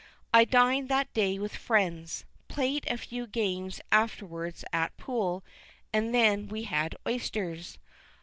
I dined that day with friends, played a few games afterwards at pool, and then we had oysters.